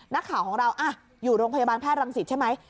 นักข่าวของเราอยู่โรงพยาบาลแพทย์รังสิตใช่ไหม